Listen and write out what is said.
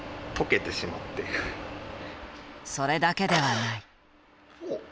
それだけではない。